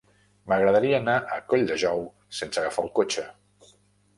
M'agradaria anar a Colldejou sense agafar el cotxe.